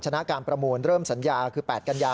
ชนะการประมูลเริ่มสัญญาคือ๘กันยา